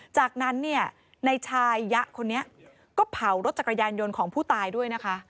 จากนั้นเนี่ยในชายยะคนนี้ก็เผารถจักรยานยนต์ของผู้ตายด้วยนะคะ